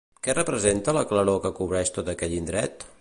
Què representa la claror que cobreix tot aquell indret?